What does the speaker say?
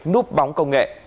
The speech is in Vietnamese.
núp bóng công nghệ